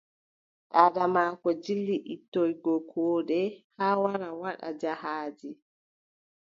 Daada maako dilli ittoygo koode haa wara waɗa jahaaji.